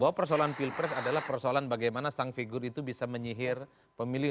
bahwa persoalan pilpres adalah persoalan bagaimana sang figur itu bisa menyihir pemilih